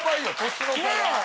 年の差が。